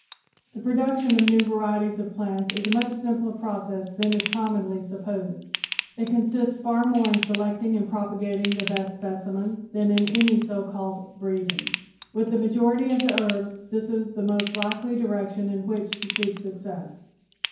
The production of new varieties of plants is a much simpler process than is commonly supposed. It consists far more in selecting and propagating the best specimens than in any so called "breeding." With the majority of the herbs this is the most likely direction in which to seek success.